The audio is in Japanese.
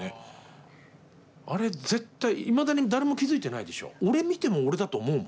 あれ絶対いまだに誰も気付いてないでしょ。